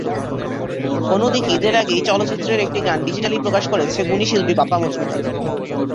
অন্যদিকে, ঈদের আগেই চলচ্চিত্রের একটি গান ডিজিটালি প্রকাশ করেছেন গুণী শিল্পী বাপ্পা মজুমদার।